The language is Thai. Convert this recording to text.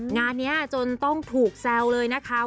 งานนี้จนต้องถูกแซวเลยนะคะ